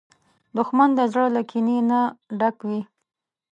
دښمن د زړه له کینې نه ډک وي